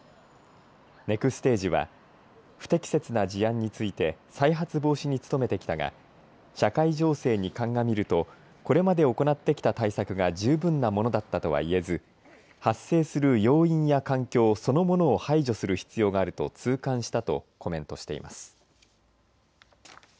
ネクステージは不適切な事案について再発防止に努めてきたが社会情勢に鑑みるとこれまで行ってきた対策が十分なものだったとは言えず発生する要因や環境そのものを排除する必要があると痛感したとコメントしています。